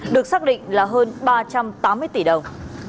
được xác định là hơn ba trăm tám mươi tỷ đồng